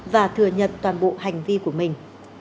và thừa nhận toàn bộ hành vi của mình